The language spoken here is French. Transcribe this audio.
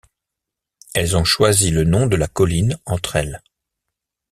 Elles ont choisi le nom de la colline entre elles.